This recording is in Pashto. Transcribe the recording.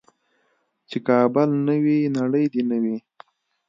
چې کابل نه وي نړۍ دې نه وي.